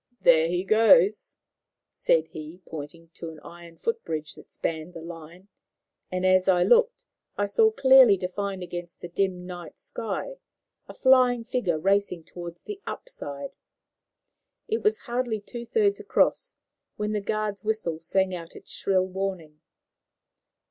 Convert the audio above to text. "There he goes," said he, pointing to an iron footbridge that spanned the line; and, as I looked, I saw, clearly defined against the dim night sky, a flying figure racing towards the "up" side. It was hardly two thirds across when the guard's whistle sang out its shrill warning.